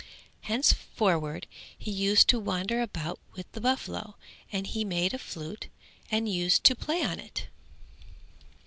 Thenceforward he used to wander about with the buffaloes and he made a flute and used to play on it.